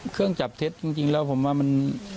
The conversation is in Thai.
เครื่องจับเท็จจริงแล้วผมว่ามัน